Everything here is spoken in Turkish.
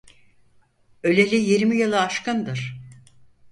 Öleli yirmi yılı aşkındır.